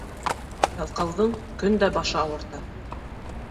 Ялҡауҙың көн дә башы ауырта.